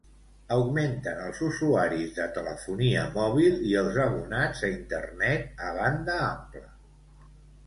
Augmenten els usuaris de telefonia mòbil i els abonats a Internet a banda ampla.